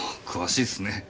詳しいっすね。